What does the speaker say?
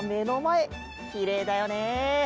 きれいだよね。